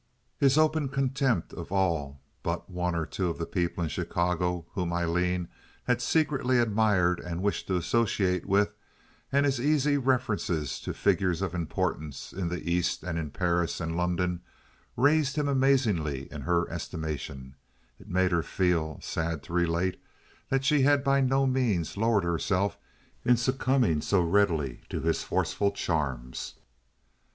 His open contempt of all but one or two of the people in Chicago whom Aileen had secretly admired and wished to associate with, and his easy references to figures of importance in the East and in Paris and London, raised him amazingly in her estimation; it made her feel, sad to relate, that she had by no means lowered herself in succumbing so readily to his forceful charms.